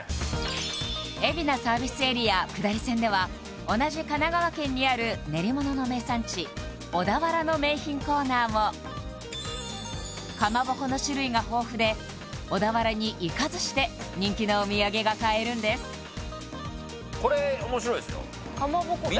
海老名サービスエリア下り線では同じ神奈川県にある練りものの名産地小田原の名品コーナーもかまぼこの種類が豊富で小田原に行かずして人気のお土産が買えるんですこれ面白いですよかまぼこえっ？